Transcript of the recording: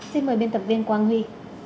xin mời biên tập viên quang huy